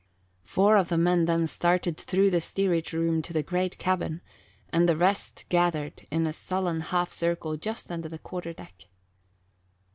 Four of the men then started through the steerage room to the great cabin and the rest gathered in a sullen half circle just under the quarter deck.